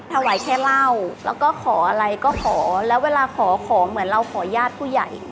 ถวายแค่เหล้าแล้วก็ขออะไรก็ขอแล้วเวลาขอของเหมือนเราขอญาติผู้ใหญ่